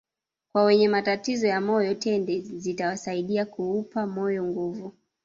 Kwa wenye matatizo ya moyo tende zitawasaidia kuupa moyo nguvu